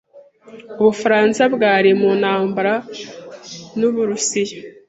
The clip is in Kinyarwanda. Ubufaransa bwari mu ntambara n’Uburusiya.